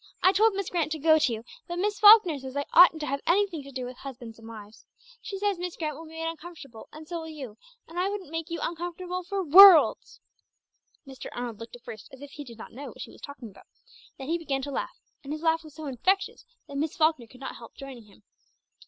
I told Miss Grant to go to you, but Miss Falkner says I oughtn't to have anything to do with husbands and wives. She says Miss Grant will be made uncomfortable and so will you; and I wouldn't make you uncomfortable for worlds!" Mr. Arnold looked at first as if he did not know what she was talking about; then he began to laugh, and his laugh was so infectious that Miss Falkner could not help joining him.